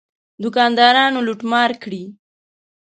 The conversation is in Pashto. دوکاندارانو لوټ مار کړی.